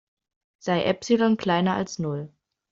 Sei Epsilon kleiner als Null.